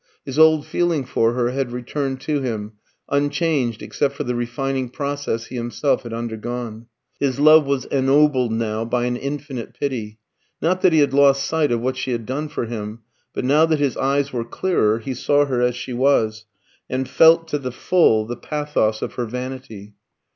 His old feeling for her had returned to him, unchanged, except for the refining process he himself had undergone. His love was ennobled now by an infinite pity. Not that he had lost sight of what she had done for him; but now that his eyes were clearer, he saw her as she was, and felt to the full the pathos of her vanity.